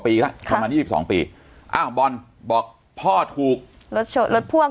ปีละค่ะประมาณยี่สิบสองปีอ้าวบอลบอกพ่อถูกรถรถพ่วง